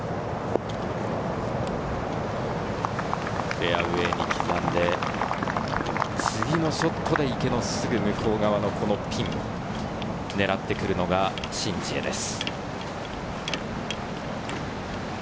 フェアウエーに刻んで、次のショットで池のすぐ向こう側のピン、狙ってくるのがシン・ジエです。